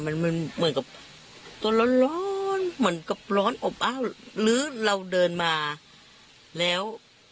มันมันเหมือนกับตัวร้อนร้อนเหมือนกับร้อนอบอ้าวหรือเราเดินมาแล้ว